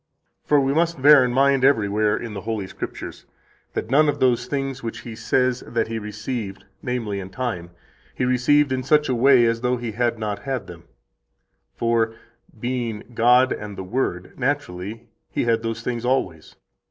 43 For we must bear in mind everywhere [in the Holy Scriptures] that none of those things which He says that He received, namely, in time, He received in such a way as though He had not had them; for, being God and the Word, naturally He had those things always.